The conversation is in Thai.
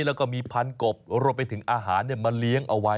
แล้วก็มีพันกบรวมไปถึงอาหารมาเลี้ยงเอาไว้